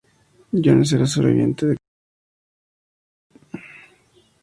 Jones era una sobreviviente de Cáncer de mama.